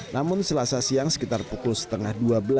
namun selasa siang sekitar pukul setengah dua belas